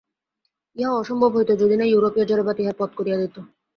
ইহা অসম্ভব হইত, যদি না ইউরোপীয় জড়বাদ ইহার পথ করিয়া দিত।